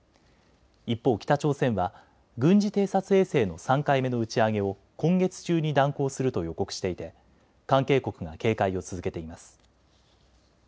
一方、北朝鮮は軍事偵察衛星の３回目の打ち上げを今月中に断行すると予告していて関係国が警戒を続けています。